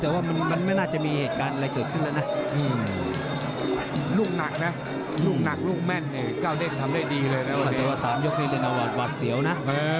แต่ว่ามันไม่น่าจะมีเหตุการณ์อะไรเกิดขึ้นแล้วนะ